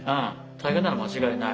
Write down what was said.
大変なのは間違いない。